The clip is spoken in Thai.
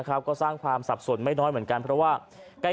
ก็สร้างความสับสนไม่น้อยเหมือนกันเพราะว่าใกล้